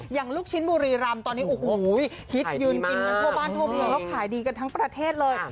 อย่างลูกชิ้นบูรีรำตอนนี้หิตยืนกินตัวบ้านถั่วเปล่าแล้วขายดีกันทั้งประเทศเลย